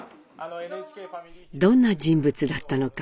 どんな人物だったのか。